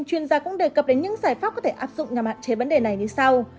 chuyên gia cũng đề cập đến những giải pháp có thể áp dụng nhằm hạn chế vấn đề này như sau